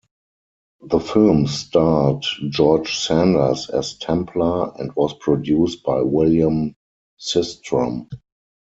The film starred George Sanders as Templar and was produced by William Sistrom.